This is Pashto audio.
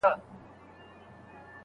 پخپله دي بورا مینه پانوس ته ده راوړې